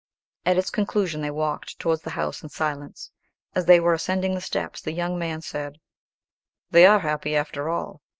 At its conclusion they walked towards the house in silence: as they were ascending the steps, the young man said, "They are happy, after all.